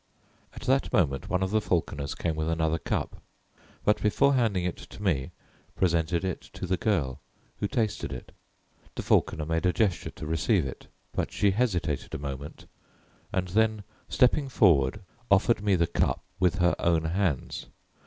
At that moment one of the falconers came with another cup, but before handing it to me, presented it to the girl, who tasted it. The falconer made a gesture to receive it, but she hesitated a moment, and then, stepping forward, offered me the cup with her own hands.